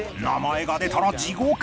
［名前が出たら地獄！